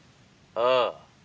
「ああ」。